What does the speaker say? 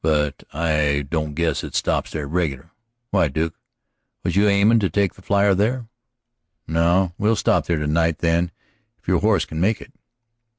But I don't guess it stops there regular. Why, Duke? Was you aimin' to take the flier there?" "No. We'll stop there tonight, then, if your horse can make it."